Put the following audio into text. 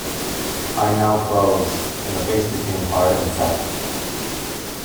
I now froze, and the face became hard and set.